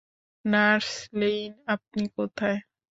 Nurse Lane, আপনি কোথায়?